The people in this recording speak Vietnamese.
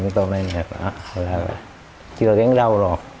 nó sẽ khó chịu